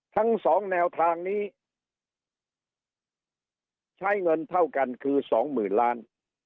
ทั้งสองแนวทางนี้ใช้เงินเท่ากันคือสองหมื่นล้าน